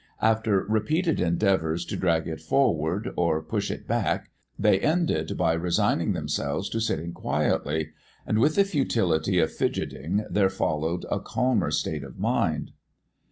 After repeated endeavours to drag it forward, or push it back, they ended by resigning themselves to sitting quietly. And with the futility of fidgeting there followed a calmer state of mind.